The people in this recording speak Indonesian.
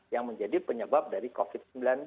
yang menjadi penyebab dari covid sembilan belas